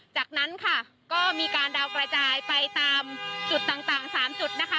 จากนั้นค่ะก็มีการดาวกระจายไปตามจุดต่าง๓จุดนะคะ